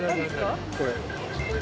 ・これ。